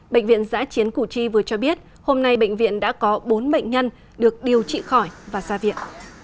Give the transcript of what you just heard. bệnh viện giã chiến củ chi vừa cho biết hôm nay bệnh viện đã có bốn bệnh nhân được điều trị khỏi và ra viện